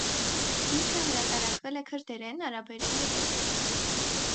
Գիրքը հրատարակվել է քրդերեն, արաբերեն և ռուսերեն։